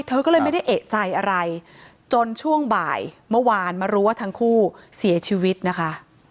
เธอก็เลยไม่ได้เอกใจอะไรจนช่วงบ่ายเมื่อวานมารู้ว่าทั้งคู่เสียชีวิตนะคะ